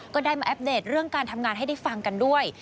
ก็ได้มาอัปเดตเรื่องการทำงานให้ได้ฟังกันด้วย